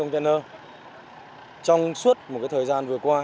trong suốt một thời gian vừa qua